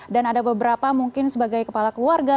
dan ada beberapa mungkin sebagai kepala keluarga